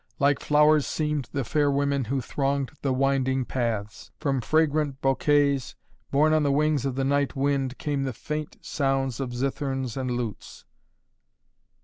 Like flowers seemed the fair women who thronged the winding paths. From fragrant bosquets, borne on the wings of the night wind came the faint sounds of zitherns and lutes.